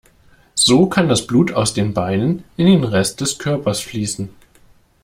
So kann das Blut aus den Beinen in den Rest des Körpers fließen.